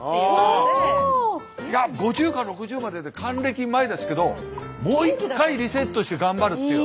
いや５０か６０までで還暦前ですけどもう一回リセットして頑張るっていう。